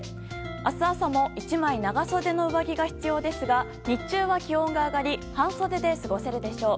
明日朝も１枚、長袖の上着が必要ですが日中は気温が上がり半袖で過ごせるでしょう。